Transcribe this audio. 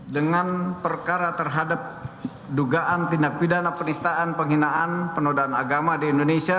dengan perkara terhadap dugaan tindak pidana penistaan penghinaan penodaan agama di indonesia